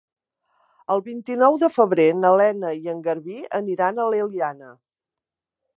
El vint-i-nou de febrer na Lena i en Garbí aniran a l'Eliana.